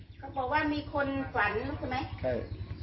ใช่